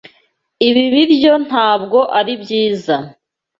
Ibi biryo ntabwo ari byiza.